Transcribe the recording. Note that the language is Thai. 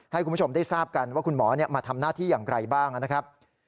ให้คุณผู้ชมได้ทราบกันว่าคุณหมอมาทำหน้าที่อย่างไรบ้างนะครับ